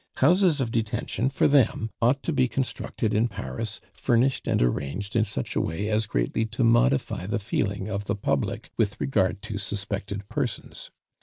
Houses of detention for them ought to be constructed in Paris, furnished and arranged in such a way as greatly to modify the feeling of the public with regard to suspected persons.